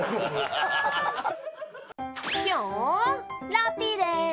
ラッピーです。